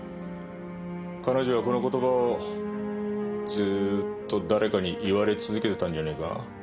彼女はこの言葉をずーっと誰かに言われ続けてたんじゃねえか？